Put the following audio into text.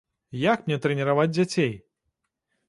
Як мне трэніраваць дзяцей?